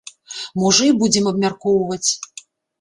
Можа і будзем абмяркоўваць.